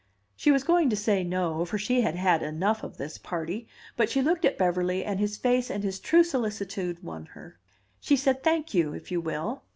She was going to say no, for she had had enough of this party; but she looked at Beverly, and his face and his true solicitude won her; she said, "Thank you, if you will."